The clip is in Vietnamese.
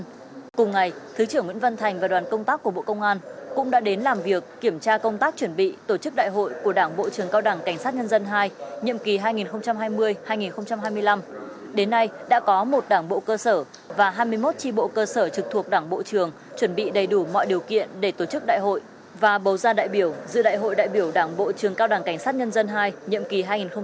phát biểu tại buổi làm việc thứ trưởng nguyễn văn thành và đoàn công tác của bộ công an cũng đã đến làm việc kiểm tra công tác chuẩn bị tổ chức đại hội của đảng bộ trường cao đảng cảnh sát nhân dân hai nhiệm kỳ hai nghìn hai mươi hai nghìn hai mươi năm đến nay đã có một đảng bộ cơ sở và hai mươi một tri bộ cơ sở trực thuộc đảng bộ trường chuẩn bị đầy đủ mọi điều kiện để tổ chức đại hội và bầu ra đại biểu giữa đại hội đại biểu đảng bộ trường cao đảng cảnh sát nhân dân hai nhiệm kỳ hai nghìn hai mươi hai nghìn hai mươi năm